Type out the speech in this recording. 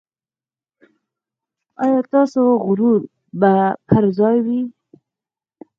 ایا ستاسو غرور به پر ځای وي؟